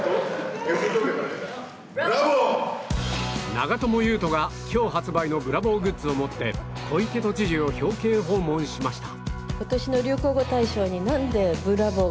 長友佑都が今日発売のブラボーグッズを持って小池都知事を表敬訪問しました。